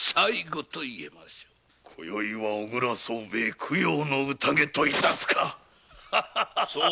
今宵は小倉惣兵衛供養の宴と致すか。